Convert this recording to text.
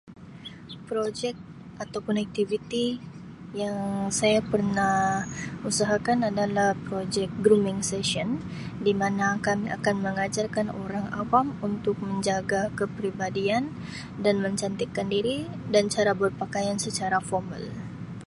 "Projek atau pun aktiviti yang saya pernah usahakan adalah projek ""Grooming session"" di mana kami akan mengajarkan orang awam untuk menjaga keperibadian dan mencantikkan diri dan cara berpakaian secara formal."